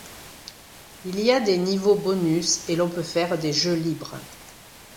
Il y a des niveaux bonus, et l'on peut faire des jeux libres.